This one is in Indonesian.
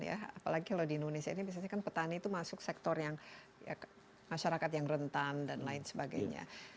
apalagi kalau di indonesia ini biasanya kan petani itu masuk sektor yang masyarakat yang rentan dan lain sebagainya